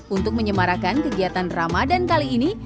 untuk menyemarakan kegiatan ramadan kali ini